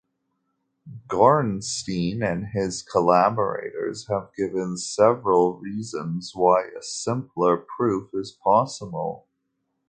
Gorenstein and his collaborators have given several reasons why a simpler proof is possible.